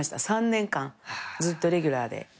３年間ずっとレギュラーで。